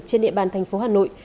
trên địa bàn thành phố hà nội